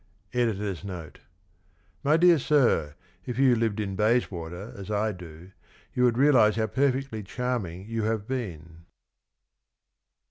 [Editor's Note. — 'Sly dear Sir, if you lived in Bayswater, as I do, you would realise how perfectly charming you have been